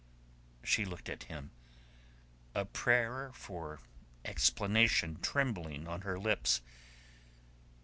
She looked at him, a prayer for explanation trembling on her lips.